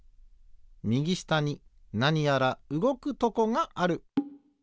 みぎしたになにやらうごくとこがある。